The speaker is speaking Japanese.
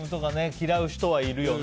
嫌う人はいるよね。